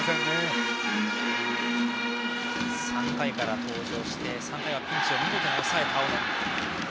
３回から登場してピンチを見事に抑えた青野。